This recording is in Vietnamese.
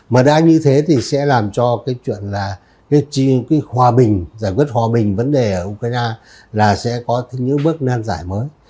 mà đã như thế thì sẽ làm cho cái chuyện là cái hòa bình giải quyết hòa bình vấn đề ở ukraine là sẽ có những bước nan giải mới